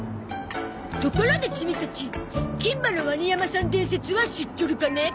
ところでチミたち「金歯のワニ山さん伝説」は知っちょるかね？